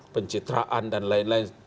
pencitraan dan lain lain